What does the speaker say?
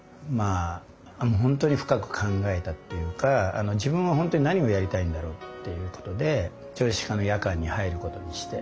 本当に深く考えたっていうか自分は本当に何をやりたいんだろうっていうことで調理師科の夜間に入ることにして。